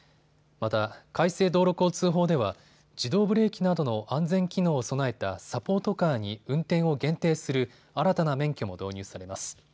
また改正道路交通法では自動ブレーキなどの安全機能を備えたサポートカーに運転を限定する新たな免許も導入されます。